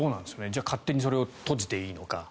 じゃあ、勝手にそれを閉じていいのか。